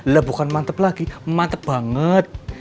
lah bukan mantap lagi mantap banget